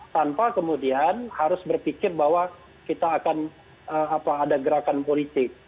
tanpa kemudian harus berpikir bahwa kita akan ada gerakan politik